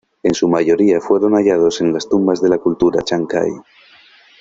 En su mayoría fueron hallados en las tumbas de la cultura chancay.